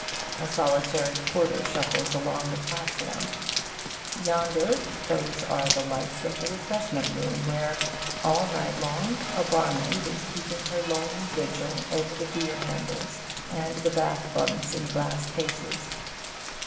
A solitary porter shuffles along the platform. Yonder, those are the lights of the refreshment room, where, all night long, a barmaid is keeping her lonely vigil over the beer handles and the Bath buns in glass cases.